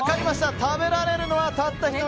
食べられるのはたった１人。